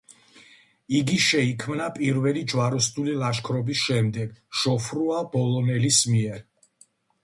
იგი შეიქმნა პირველი ჯვაროსნული ლაშქრობის შემდეგ, ჟოფრუა ბულონელის მიერ.